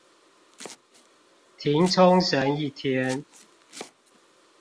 停沖繩一天